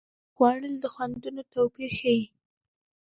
خوړل د خوندونو توپیر ښيي